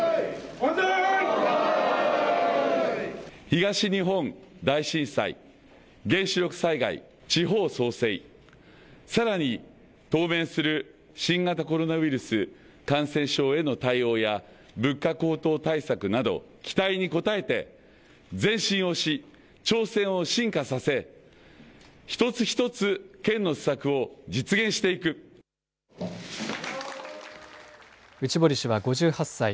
東日本大震災原子力災害地方創生さらに当面する新型コロナウイルス感染症への対応や物価高騰対策など期待に応えて前進をし挑戦を進化させ内堀氏は５８歳。